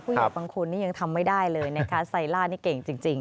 บางคนนี่ยังทำไม่ได้เลยนะคะไซล่านี่เก่งจริง